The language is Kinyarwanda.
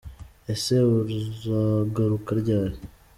Ese uragaruka ryari?